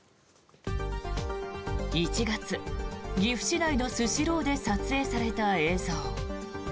１月、岐阜市内のスシローで撮影された映像。